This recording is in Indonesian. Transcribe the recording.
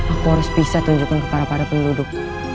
aku harus bisa tunjukkan kepada para penduduk